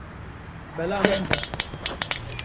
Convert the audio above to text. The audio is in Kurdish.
Bela min bû.